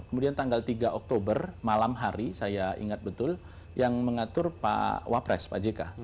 kemudian tanggal tiga oktober malam hari saya ingat betul yang mengatur pak wapres pak jk